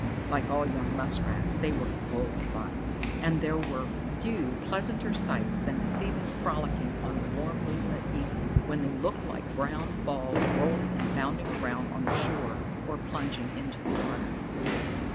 Like all young Muskrats, they were full of fun, and there were few pleasanter sights than to see them frolicking on a warm moonlight evening, when they looked like brown balls rolling and bounding around on the shore or plunging into the water.